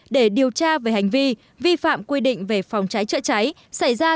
để điều tra về hành vi vi phạm quy định về phòng cháy chữa cháy xảy ra